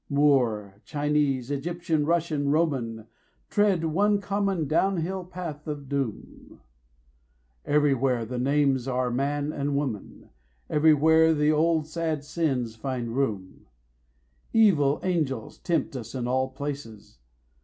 Moor, Chinese, Egyptian, Russian, Roman, Tread one common down hill path of doom; 10 Everywhere the names are Man and Woman, Everywhere the old sad sins find room. Evil angels tempt us in all places.